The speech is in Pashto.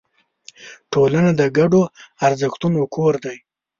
ټولنه د ګډو ارزښتونو کور دی.